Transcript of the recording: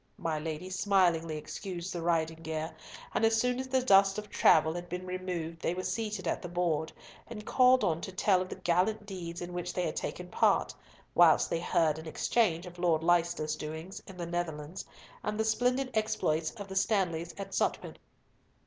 My lady smilingly excused the riding gear, and as soon as the dust of travel had been removed they were seated at the board, and called on to tell of the gallant deeds in which they had taken part, whilst they heard in exchange of Lord Leicester's doings in the Netherlands, and the splendid exploits of the Stanleys at Zutphen.